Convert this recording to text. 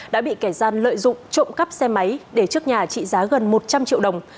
đã bị kẻ gian lợi dụng trộm cắp xe máy để trước nhà trị giá gần một trăm linh triệu đồng